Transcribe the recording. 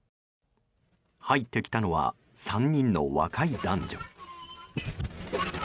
入ってきたのは３人の若い男女。